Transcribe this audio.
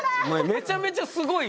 めちゃめちゃすごいよ。